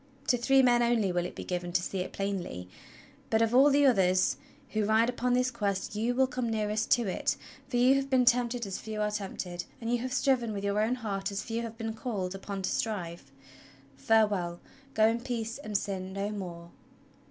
To three men only will it be given to see it plainly; but of all the others who ride upon this Quest you will come nearest to it, for you have been tempted as few are tempted, and you have striven with your own heart as few have been called upon to strive. Farewell, go in peace and sin no more!"